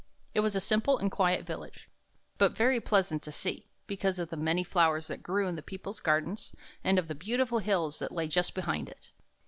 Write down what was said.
It was a simple and quiet village, but very pleasant to see, because of the many flowers that grew in the people's gardens, and of the beautiful hills that lay just behind it.